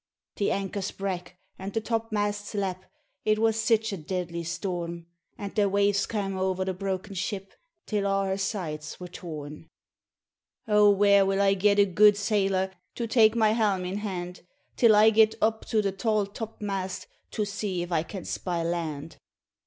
The ankers brak, and the top masts lap, It was sic a deadly storm; And the waves cam' o'er the broken ship Till a' her sides were torn. *O where will I get a gude sailor, To take my helm in hand, Till I get up to the tall top mast; To see if I can spy land?'